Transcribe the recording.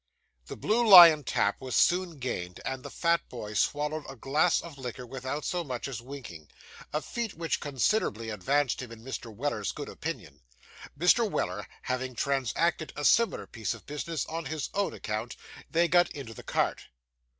The Blue Lion tap was soon gained, and the fat boy swallowed a glass of liquor without so much as winking a feat which considerably advanced him in Mr. Weller's good opinion. Mr. Weller having transacted a similar piece of business on his own account, they got into the cart.